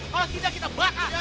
kalau tidak kita bakar